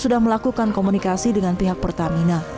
sudah melakukan komunikasi dengan pihak pertamina